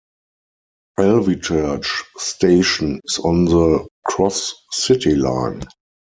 Alvechurch station is on the Cross-City Line.